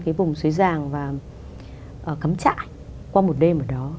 cái vùng suối ràng và cấm trại qua một đêm ở đó